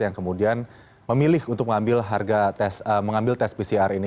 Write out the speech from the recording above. yang kemudian memilih untuk mengambil tes pcr ini